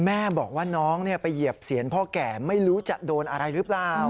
แม่บอกว่าน้องไปเหยียบเสียนพ่อแก่ไม่รู้จะโดนอะไรหรือเปล่า